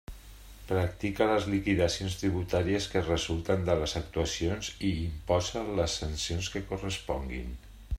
Practica les liquidacions tributàries que resulten de les actuacions i imposa les sancions que corresponguin.